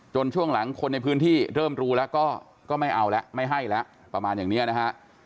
ช่วงหลังคนในพื้นที่เริ่มรู้แล้วก็ไม่เอาแล้วไม่ให้แล้วประมาณอย่างนี้นะฮะ